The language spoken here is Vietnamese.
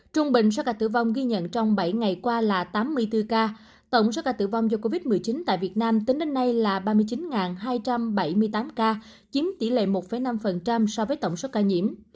trung bình số ca tử vong ghi nhận trong bảy ngày qua là tám mươi bốn ca tổng số ca tử vong do covid một mươi chín tại việt nam tính đến nay là ba mươi chín hai trăm bảy mươi tám ca chiếm tỷ lệ một năm so với tổng số ca nhiễm